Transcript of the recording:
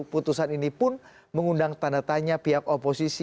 putusan ini pun mengundang tanda tanya pihak oposisi